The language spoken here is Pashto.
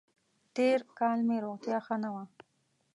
تېر کال مې روغتیا ښه نه وه